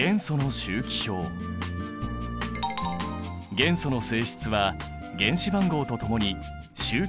元素の性質は原子番号とともに周期的に変化する。